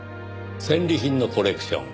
戦利品のコレクション。